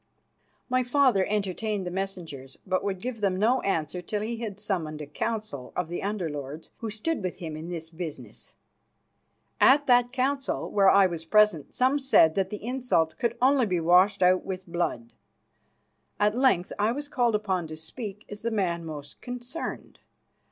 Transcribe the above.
My father entertained the messengers, but would give them no answer till he had summoned a council of the Under lords who stood with him in this business. At that council, where I was present, some said that the insult could only be washed out with blood. At length I was called upon to speak as the man most concerned.